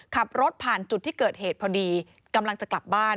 ขับรถผ่านจุดที่เกิดเหตุพอดีกำลังจะกลับบ้าน